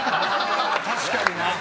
確かにな。